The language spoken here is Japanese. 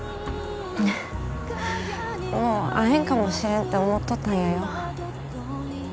もう会えんかもしれんって思っとったんやよ